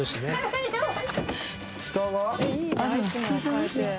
下は？